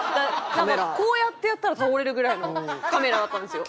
こうやってやったら倒れるぐらいのカメラだったんですよ